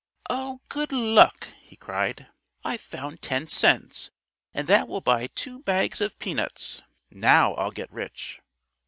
"Oh, good luck!" he cried. "I've found ten cents, and that will buy two bags of peanuts. Now I'll get rich!"